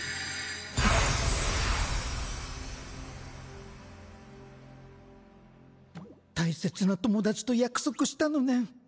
あっ大切な友達と約束したのねん。